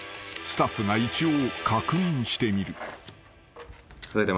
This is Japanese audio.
［スタッフが一応確認してみる］